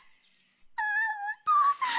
ああお父さん！